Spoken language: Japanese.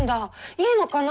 いいのかな？